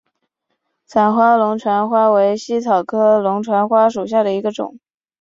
散花龙船花为茜草科龙船花属下的一个种。